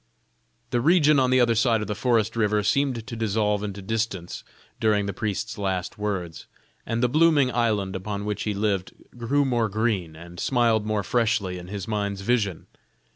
The region on the other side of the forest river seemed to dissolve into distance during the priest's last words: and the blooming island upon which he lived grew more green, and smiled more freshly in his mind's vision.